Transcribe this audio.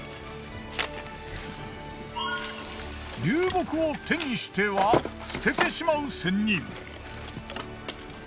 流木を手にしては捨ててしまう仙人。